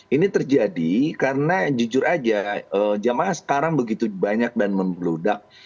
ini terjadi karena jujur aja jamaah sekarang begitu banyak dan membludak